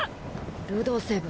ルドセブ